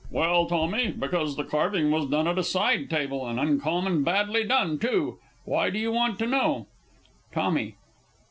Well, Tommy, because the carving was done at a side table and uncommon badly done, too. Why do you want to know? TOMMY.